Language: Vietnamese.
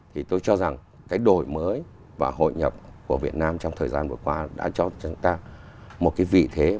thì tôi cho rằng cái đổi mới và hội nhập của việt nam trong thời gian vừa qua đã cho chúng ta một cái vị thế